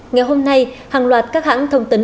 ngày hôm nay hàng loạt các hãng thông tấn